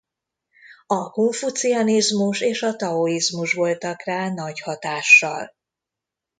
A konfucianizmus és a taoizmus voltak rá nagy hatással.